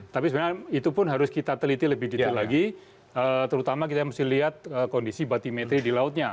tapi sebenarnya itu pun harus kita teliti lebih detail lagi terutama kita mesti lihat kondisi batimetri di lautnya